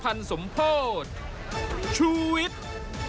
รายงานตัวมาพร้อมกับข่าวสารหลากหลายประเด็น